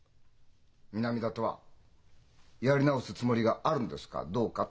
「南田とはやり直すつもりがあるんですかどうか」